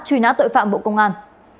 truy nã tội phạm bộ công an